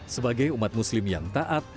sebagai umat muslim yang taat